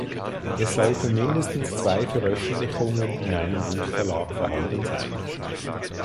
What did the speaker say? Es sollten mindestens zwei Veröffentlichungen in einem Buchverlag vorhanden sein.